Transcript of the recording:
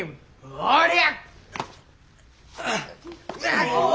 おりゃ！